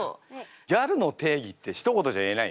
ギャルの定義ってひと言じゃ言えない？